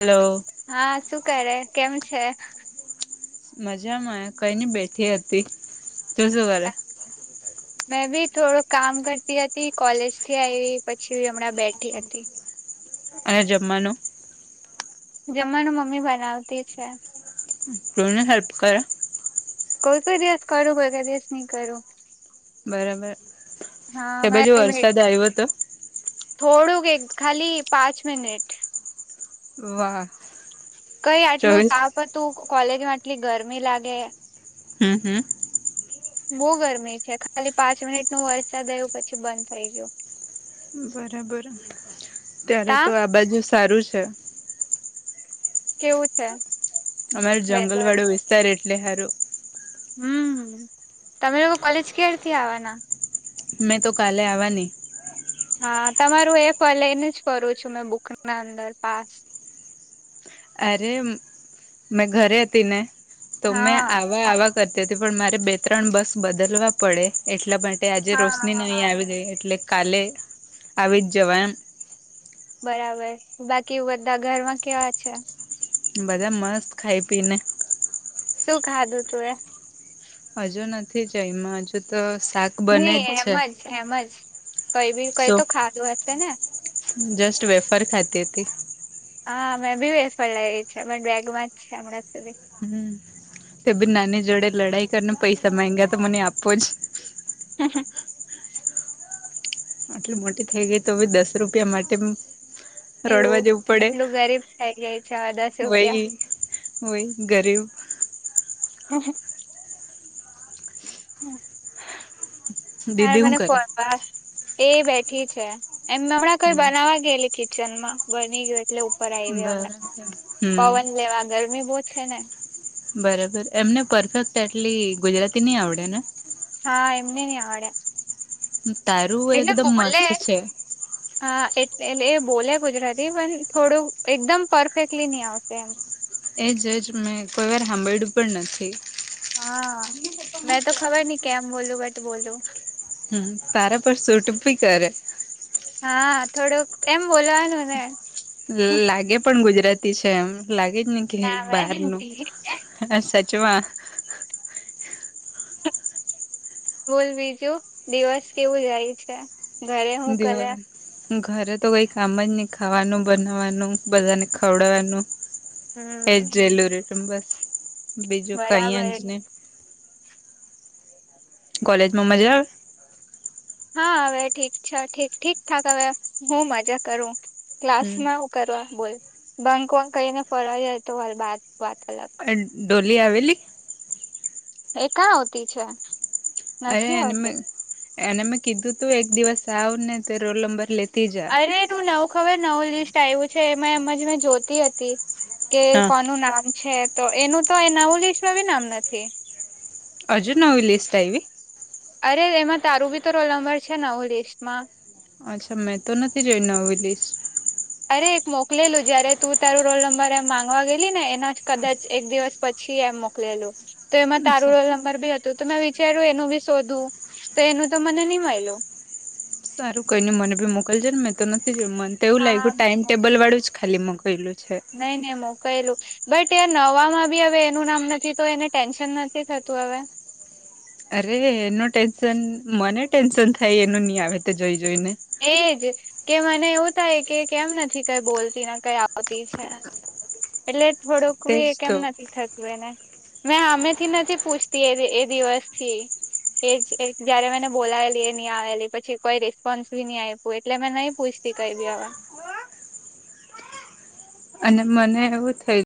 Hello. હા શું કરે, કેમ છે? મજામાં કઈ નઈ બેઠી હતી, તું શું કરે? [inaudible] મેં બી થોડું કામ કરતી હતી, કોલેજ થી આવી પછી હમણાં બેઠી હતી. અને જમવાનું. જમવાનું મમ્મી બનાવતી છે. તું એને હેલ્પ કરે. કોઈ કોઈ દિવસ કરું કોઈ કઈ દિવસ નહી કરું. બરાબર તે હા બાજુ મે વરસાદ આયવો તો. થોડુંક એક ખાલી પાંચ મિનિટ. વાહ. કઈ આટલું ચોવીસ તાપ હતું કોલેજમાં આટલી ગરમી લાગે. હમ્મ હમ્મ. બહુ ગરમી છે ખાલી પાંચ મિનિટ નું વરસાદ આયુ પછી બંધ થઇ ગયું. બરાબર ત્યારે તા તો આ બાજુ સારું છે. કેવું છે? અમાર જંગલ વેધર વાડો વિસ્તાર એટલે હારું હમ્મ તમે લોક કોલેજ કેરથી આવાના. મેં તો કાલે આવાની. હા તમારું એ પ લઈને જ ફરું છું મેં બુક ના અંદર પાસ. અરે મેં ઘરે હતી ને તો મેં હા. આવ વવા કરતી તી પણ મારે બે ત્રણ બસ બદલવા પડે એટલા માટે આજે હા રોશની ન હા. અહીં આવી ગઈ એટલે કાલે આવી જ જવા બરાબર બાકી બધા ઘરમાં કેવા છે? બધા મસ્ત ખાઈ પી ને. શું ખાધું તું એ? હજુ નથી જ્યમાં હજુ તો સા નહી એમ જ એમ જ કઈ બી કઈ સો તો ખાધું હશે ને. જસ્ટ વેફર ખાધી હતી. હા મેં બી વેફળ લઈ છે મેં બેગમાં જ છે હમણાં સુધી. હમ્મ તે ભી નાની જોડે લડાઈ કરને પૈસા માગ્યા તો મને આપો જ. હું હું આટલી મોટી થઇ ગઈ તોભી દસ રૂપિયા માટે હું. એવું આટલું ગરીબ થઈ ગય છે આ દસ રૂપિયા. હોય ગરીબ. [inaudible] હમ હા દીદી હું મને કરે ફર એ બેઠી છે એમ હમણાં કોઈ હમ બનાવા ગયેલી કિચનમાં બની ગયું એટલે ઉપર આવી ગયો હમણાં બરાબર હમ પવન લેવા ગરમી બહુ છેને બરાબર એમને પરફેક્ટ આટલી ગુજરાતી નની આવડે ને હા એમને નહી આવડે. તારું એટલે એકદમ બોલે મસ્ત છે. [unintelligible] હા એટ એટલે એ બોલે ગુજરાતી પણ થોડું એકદમ પરફેક્ટલી નહી આવશે એમ. એ જજ મેં કોઈ વાર સાંભળ્યું પણ નથી. હા મેં તો ખબર નહ કેમ બોલું બટ બોલું. હમ તારા પર સૂટી ભી કરે. હા થોડું એમ બોલવાનું ને લાગે પણ ગુજરાતી છે એમ લાગે જ ને કે ના મેં બહારનું હ સાચ વા બોલ બીજું દિવસ કેવું જાય છે. ઘરે હું કરે દિવસ. ઘરે તો કોઈ કામ જ નહી ખાવાનું બનાવાનું બધાને ખવડવાનું એ હમ જેલુ રટ બસ બીજું કઈ જ બરાબર ને કોલેજમાં મજા આવે. હા હવે ઠીક છે ઠીક ઠીક ઠાક હવે હું મજા કરું હમ ક્લાસમાં કરવા બોલ ભંક વાક કહીને ફળ જાય તો હાલ વાત વાત અલગ ડોલી આવેલી. એ કા આવતી છે. અરે નથી એને મે આવતી એને મેં કીધું તું એક દિવસ આવ ને તે રોલ નંબર લેતી જા. એ તું નવ ખબર નવું લિસ્ટ આવ્યું છે એમાં એમજ મેં જોતી હતી કે હા કોનું નામ છે તો એનું તો એ નવું લિસ્ટમાં ભી નામ નથી. હજુ નવી લિસ્ટ આવી અરે એમાં તારું બી તો રોલ નંબર છે નવું લિસ્ટમાં અચ્છા મેં તો નથી જોઈનેવી લિસ્ટ અરે એક મોકલેલું જયારે તું તારું રોલ નંબર એમ માંગવા ગયેલી ને એના જ કદાચ એક દિવસ પછી આ મોકલેલું. તો એમાં તારું રોલ નંબર બી હતું તો મેં વિચાર્યું એનું બી શોધું તો એનું તો મને નહીં મળ્યું. સારું કોઈને મને ભી મોકલજ ને મેં તો નથીું મને તો એવું લાગ્યું ટાઈમ હા ટેબલ વાળું જ. ખાલી મગાયલું છે. નહી નહી મોકા એલું બટ એ નવામાં બી હવે એનું નામ નથી તો એને ટેન્શન નથી થતું હવે. અરે એનું ટેન્શન મને ટેન્શન થાય એનું નહી આવે તો જોઈ જોઈને એજ કે મને એવું થાય કે કેમ નથી કઈ બોલતી કઈ આવતી છે. એટલે તેજ થોડુંકવી એ કેમ તો નથી થતું. મેં હામેથી નથી પૂછતી એ એ દિવસ થી એ જ જયારે મને બોલાયલી એ નહી આવેલી પછી કોઈ રિસ્પોન્સ બી નહી આવે. એટલે મેં નહી પૂછતી કઈ બી હવે. અને મને એવું થયુ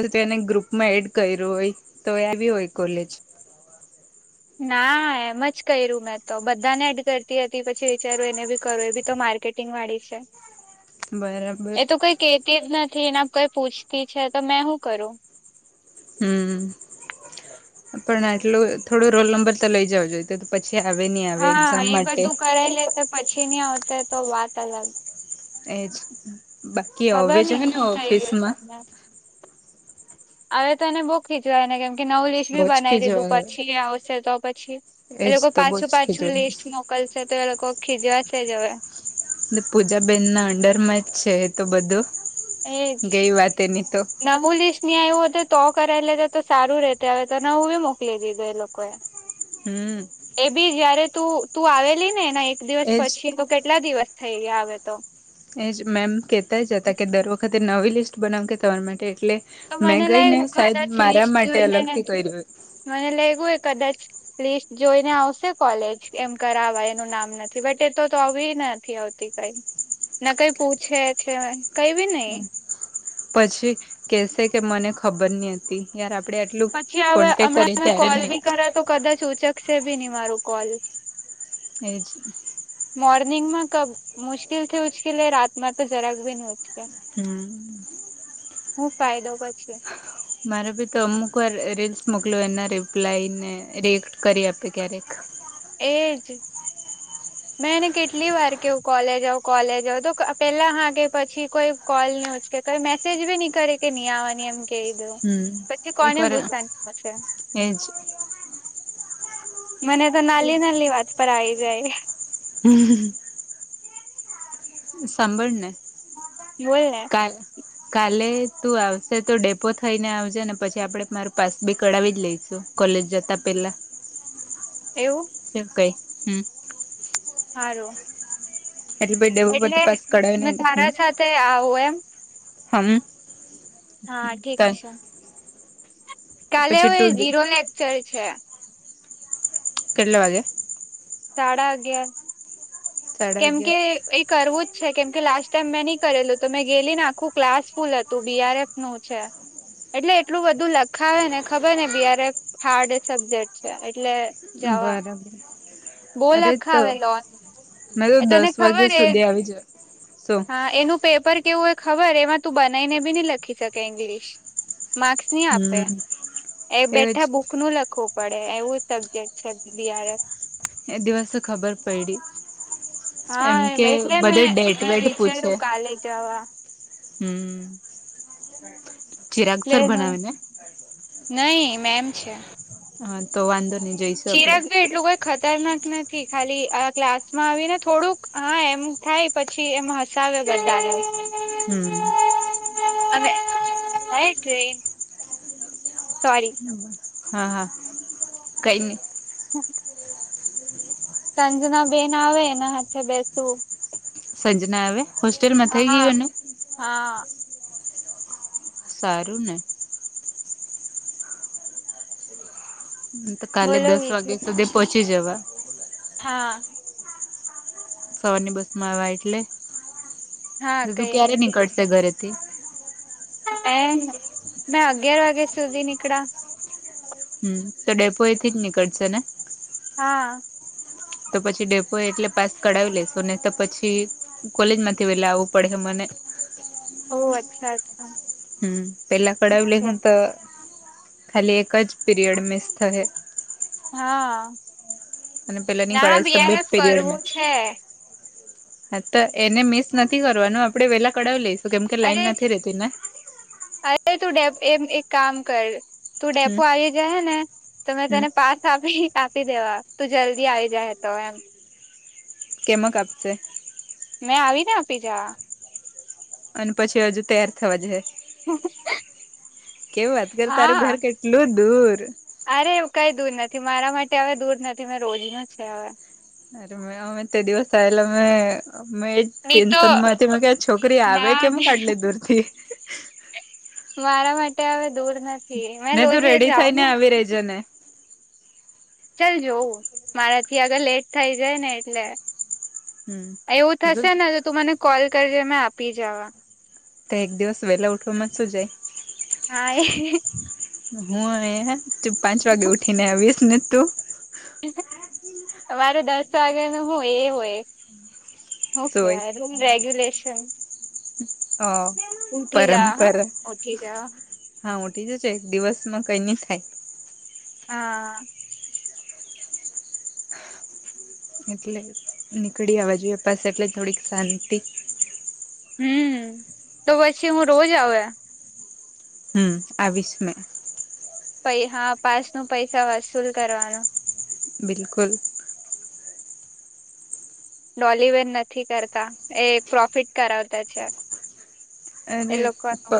એ કે એને ગ્રુપ માં એડ કર્યું હોય તો આવી હોય કોલેજ ના એમ જ કર્યું મેં તો બધાને એડ કરતી હતી પછી વિચારું એને બી કરો એ બી તો માર્કેટ ટિંગ વાળી છે. બરાબર કે કે એક નથી એને કોઈ પૂછતી છે તો મેં શું કરું હમ્મ પણ આટલું થોડો રોલ નંબર તો લઇ જવો જોઈએ. તે તો પછી આવે નહી આવે એક્ઝામ માટે સહી લાઇટર પછી નઈ આવશે તો વાત અલગ એજ બાકી હવે ખબર છે નઈ ને હું થઈ ઓફિસ ગયું માં સપને હવે તો એને બઉ ખીજવાળે એને કેમ કે નવું લિસ્ટ બી બનાવી બોચકી જ દીધું પછી આવશે તો પછી એ એજ લોકો કોઈ તો પાછું બોચકી પાછું જોય લિસ્ટ મોકલે. કલ સ તે લોકો ખીજવા છે જ હવે પૂજાબેન ના અંડરમાં જ છે તો બધું ગઈ વાત એની તો નવુ લિસ્ટ ની આવું હોત તો કરાવી લેતા તો સારું રેતે હવે તોને હું બી મોકલી દીધું એ લોકોએ હમ્મ. એ બી જયારે તું તું આવેલી નેના એક દિવસ એજ પછી તો કેટલા દિવસ થઈ ગયા હવે તો. એજ મેમ કહેતા જ હતા કે દર વખતે નવી લિસ્ટ બનાવ કે તમાર માટે એટલે તો મેં મને ગઈ ને લાગ્યું સાહેબ કદાચ મારા લિસ્ટ માટે જોઈને અલગ ને થી કર્યું હતુ મને લાયગુ કદાચ. લિસ્ટ જોઈને આવશે કોલેજ એમ કરાવા એનું નામ નથી બટ એ તો તો આવ નથી આવતી. કઈ ના કઈ પૂછે છે કઈ બી નઈ. પછી કેસે કે મને ખબર ની હોતી. સીનીયાર આપડે એટલું પછી હવે હમણાં કોલ બી કરે તો કદાચ ઉચકશે ભી નહી મારો કોલ. એ જ મોર્નિંગમાં ક મુશ્કેલથી ઉચ્કેલે રાતમાં તો જરાક બી ન ઉચકે. હમ્મ. હું ફાયદો પછી મારે ભી તો અમુક વાર રીલ્સ મોકલ એના રિપ્લાય ને રિએક્ટ કરી આપે ક્યારેક એજ. મેં એને કેટલી વાર કેવું કોલેજ કોલેજ તો પેલા હા કે પછી કોઈ કોલ ની ઉચકે કોઈ મેસેજ ભી ની કરે કે ની આવાની એમ કે દઉં હમ પછી એક કોને વાર ગુસ્સા ની આવસે એજ. મને તો નાલી નાની વાત પર આવી જાય. હમ્મ. સાંભળને બોલ ને કાય કાલે તું આવશે તો ડેપો થઈને આવજે ને પછી આપડે મારું પાસ બી કડાવી જ લઈશુ. કોલેજ જતા પહેલા એવું. શ કઈ હમ્મ હારૂ એટલે ભાઈ ડેવોપથી પાસ કરડાવી ને મેં તારા હમ્મ સાથે આવું એમ હમ્મ હા ઠીક છે. કાલે પછી હવું તું એ જીરો લેક્ચર છે. કેટલા‌ વાઞે સાડા અગિયાર સાડા કેમ અગિયાર કે એ કરવું જ છે કેમ કે લાસ્ટ ટાઈમ મેં ની કરેલું તો મેં ગેલી ને આખું ક્લાસ ફૂલ હતું બીઆરએફ નવ છે. એટલે એટલું બધું લખાવે ને ખબર ને બીઆએફ હાર્ડ સબ્જેક્ટ છે એટલે જવા બરાબર બો અરે તો લખાવે લોન- મેં તો એ તને દસ ખબર વાગ્યા એ સુધી આવી જ શું હા એનું પેપર તેવું એ ખબર એમાં તું બનાવીને બી નહી લખી શકે ઈંગ્લિશ માર્ક્સ ની આપે હમ એ બેઠા બુક નું લખવું પડે એવું સબ્જેક્ટ છે બીઆરએફ એ દિવસે ખબર પયડી એમ કે હા એટલે બધે મેં ડેટ મેં વેટ પૂછે. વિચાર્યું કાલે જવા હમ્મ નહીં મેમ છે, હા તો વાંધો નહી જઈશું આપડે, ચિરાગ ભી એટલું કોઈ ખતરનાક નથી, ખાલી આ ક્લાસ માં આવી ને થોડુંક હા એમ થાય. પછી એમ હસાવે બધાને, હમ્મ અને આઈ ટ્રેન સોરી, નંબર હા કંઈ નઈ. [inaudible] સાંજના બેન આવે એના હાથે બેસવું, સંજના ના આવે હોસ્ટેલ મા થઈ હા ગયું એનું, હા, સારું ને હમ્મ કાલે બોલો દસ બીજું વાગ્યા સુધી પહોંચી જવા, હા. સવારની બસ માં આવા એટલે હા તું કઈ નઈ ક્યારે નીકળશે ઘરેથી મેં અગિયાર વાગ્યા સુધી નીકળા, હમ્મ તો ડેપો એથી જ નીકળશે ને, હા, તો પછી ડેપો એટલે પાસ કડાવી લેશુ ની તો પછી કોલેજ માંથી વેલે આવવું પડે મને. ઓહ અચ્છા અચ્છા, હમ્મ પેલા કળાવી લેહુ અચ્છા તો ખાલી એક જ પીરિયડ મિસ થહે હા, અને પેલાની ના કરાવી છે, બેજ બીઆરએફ પીરિયડમે કરવું છે હા તો એને મિસ નથી, કરવાનું આપડે વેલા કડાવી લઈશું કેમ કે લાઈન અરે નથી રેતી ને અરે તું ડે એમ એક કામ કર તું હમ ડેપો આવી જાહેને તો મેં હમ તને પાસ [unintelligible] આપી દેવા તું જલ્દી આવી જાય, તો એમ કેમાંક આપજે મેં આવીને આપી જવા અને પછી હજુ તૈયાર થવા જશે, કેવી વાત કરું તારું હા ઘર કેટલું દૂર. અરે એ કંઈ દૂર નથી મારા માટે હવે દૂર નથી મેં રોજ નું છે, હવે રે અમે તે દિવસ એલા મે મેજ, નહી તો ટેન્શન માં તે ક છોકરી આવે ના કેમ કાઢી લે દૂર થી મારા માટે હવે દૂર નથી મે રોજ જાઉં ને પેરેજોને ચાલ જોવું મારા થી આગળ લેટ થઈ જાય ને એટલે, એવું હમ થશે ને તો તું મને કોલ કરજે મે આપી જવા, તો એક દિવસ વેલા ઉઠવાવામાંમાં શું જાય, હા એ હું પાંચ વાગે ઉઠીને આવીશ મિનિટ તું તમારે દસ વાગ્યા નું હું એ હોય, હું જોઈ કેવાય રૂમ રેગ્યુલેશન હા. ઉઠી જા હા ઉઠી જા, હા ઉઠી જશે એક દિવસમાં કંઈ નહીં થાય, હા એટલે નીકળી આવવા જોઈએ પાસે એટલે થોડીક શાંતિ હમ તો પછી હું રોજ આવ્યા હમ આવીશ મે પૈ હા પાસ નું પૈસા વસૂલ કરવાનું બિલકુલ ડોલવેન નથી કરતા એ પ્રોફિટ કરાવતા છે અરે એ પ લોકોનું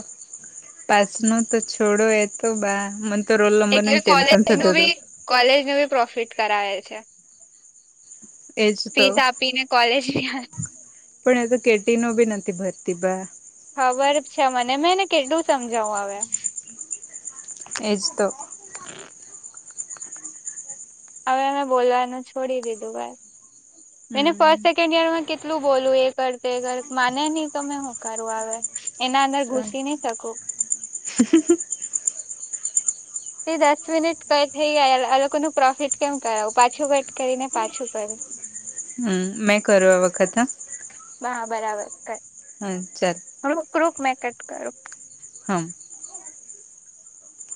પાછ ન તો છોડો એ તો બા મ ોલ્ ન્ર નને એટલે ટેનસ કોલેજ અંતું નું બી કોલેજ ન બી પ્રોફિટ કરાવે છે એજ તો પીસા આપી ને કોલેજ પણ એ તો કેટી ન બી નથી ભરતી બા ખબર છે મને મેંને કેટલું સમજાવું હવે એજ તો હવે અમે બોલવાનું છોડી દીધું ભ એને હમ ફર્સ્ટ સેકન્ડ યરમાં કેટલું બોલું એ કર કર માને નહ તમે હુંકારું આવે એના અંદર ઘુસી નહી શકો હ એ દસ મિનિટ કઈ થઈ ગ આ લોકો ન પ્રોફિટ કેમ કરાવું પાછું કટ કરીને પાછું કરડું [inaudible] હમ મેં કરવા આ વખત હ બરાબર કર હમ ચાલ રૂક રુક મે કટ કરો હમ